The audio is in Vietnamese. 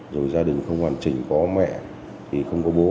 rồi gia đình không hoàn chỉnh có mẹ thì không có bố